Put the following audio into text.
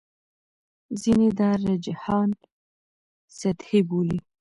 ځینې دا رجحان سطحي بولي.